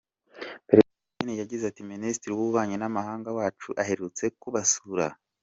Perezida Putin yagize ati “Minisitiri w’Ububanyi n’Amahanga wacu aherutse kubasura.